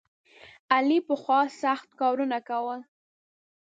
علي پخوا سخت کارونه کول.